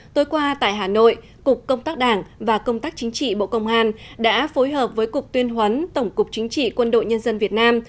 tối qua tại hà nội cục công tác đảng và công tác chính trị bộ công an đã phối hợp với cục tuyên huấn tổng cục chính trị quân đội nhân dân việt nam